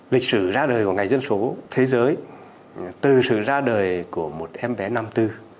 lịch sử ra đời của ngày dân số thế giới từ sự ra đời của một em bé năm tư